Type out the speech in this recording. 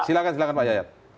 silahkan silahkan pak jaya